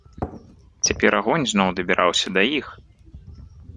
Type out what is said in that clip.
Цяпер агонь зноў дабіраўся да іх.